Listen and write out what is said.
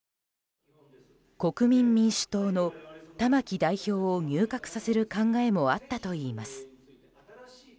国民民主党の玉木代表を入閣させる考えもあったといいます。